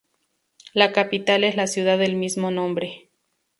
La capital es la ciudad del mismo nombre.